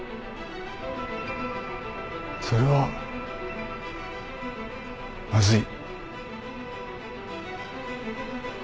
それはまずい。